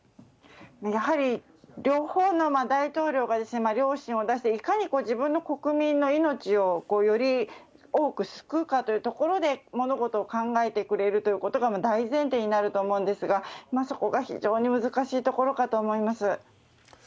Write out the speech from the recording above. やはり両方の大統領が良心を出していかにじぶんのこくみんの命をより多く救うかというところで物事を考えてくれるということが大前提になると思うんですが、そこが非常に難しいところかと思います。